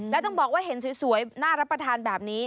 แล้วต้องบอกว่าเห็นสวยน่ารับประทานแบบนี้